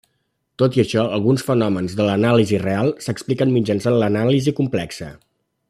Tot i això, alguns fenòmens de l'anàlisi real s'expliquen mitjançant l'anàlisi complexa.